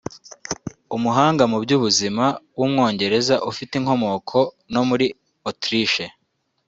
umuhanga mu by’ubuzima w’umwongereza ufite inkomoko no muri Autriche